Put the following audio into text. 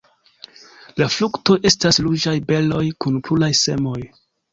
La fruktoj estas ruĝaj beroj kun pluraj semoj.